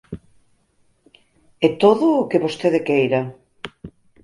...e todo o que vostede queira.